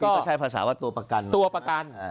คือก็ใช้ภาษาว่าตัวประกัน